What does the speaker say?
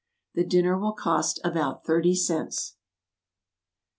The dinner will cost about thirty cents.